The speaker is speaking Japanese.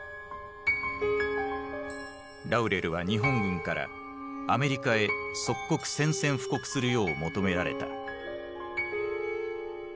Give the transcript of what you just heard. ラウレルは日本軍からアメリカへ即刻宣戦布告するよう求められた。